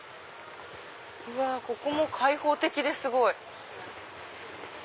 うわここも開放的ですごい！